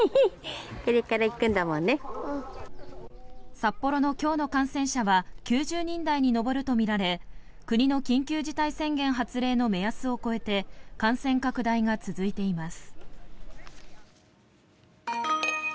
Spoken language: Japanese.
札幌の今日の感染者は９０人台に上るとみられ国の緊急事態宣言発令の目安を超えて感染拡大が続いています。